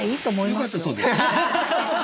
よかったそうです。